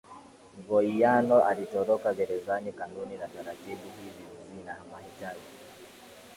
Goiano alitoroka gerezaniKanuni na taratibu hizi zina mahitaji